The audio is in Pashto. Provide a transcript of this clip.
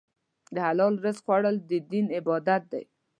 د حلال رزق خوړل د دین عبادت دی.